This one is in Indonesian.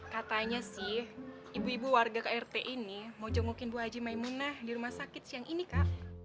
katanya sih ibu ibu warga krt ini mau jengukin bu haji maimunah di rumah sakit siang ini kak